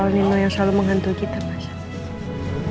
ya soal nino yang selalu menghantui kita mas